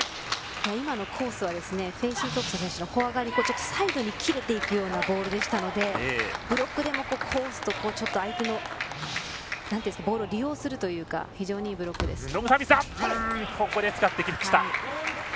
今のコースはフェイシートンプソン選手のフォア側サイドに切れていくようなボールでしたのでブロックでも相手のボールを利用するというか非常にいいブロックです。